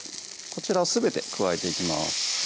こちらをすべて加えていきます